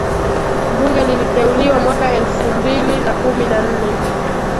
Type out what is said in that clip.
Bunge liliteuliwa mwaka elfum bili na kumi na nne